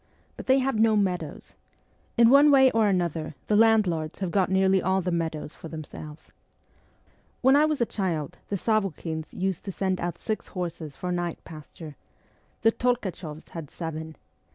But they have no meadows. In one way or another the landlords have got nearly all the meadows for them selves. When I was a child the Sav6khins used to send out six horses for night pasture ; the Tolkachoffs had seven.